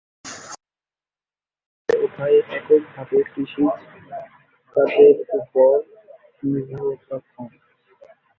বিভিন্ন কলকারখানা গড়ে ওঠায় এককভাবে কৃষিকাজের উপর নির্ভরতা কম।